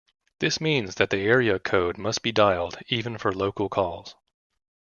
This means that the area code must be dialed, even for local calls.